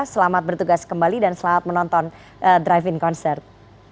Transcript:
selamat bertugas kembali dan selamat menonton drive in concert